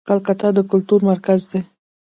کلکته د کلتور مرکز دی.